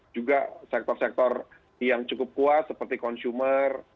juga sektor sektor yang cukup kuat seperti consumer